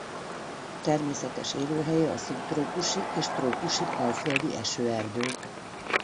Természetes élőhelye a szubtrópusi és trópusi alföldi esőerdők.